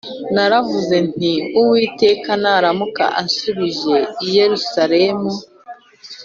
naravuze nti ‘Uwiteka naramuka anshubije i Yerusalemu